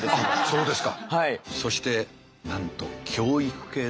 そうですよ。